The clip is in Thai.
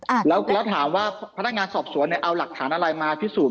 อ่าแล้วแล้วถามว่าพนักงานสอบสวนเนี่ยเอาหลักฐานอะไรมาพิสูจน